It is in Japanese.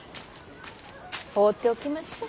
放っておきましょう。